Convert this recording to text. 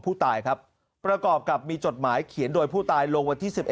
ผู้ตายครับประกอบกับมีจดหมายเขียนโดยผู้ตายลงวันที่๑๑